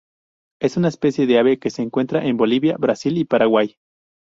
Es una especie de ave que se encuentra en Bolivia, Brasil y Paraguay.